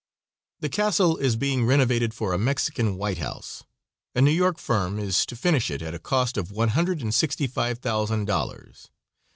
The castle is being renovated for a Mexican White House. A New York firm is to finish it at a cost of one hundred and sixty five thousand dollars.